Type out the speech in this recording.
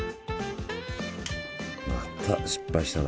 また失敗したな。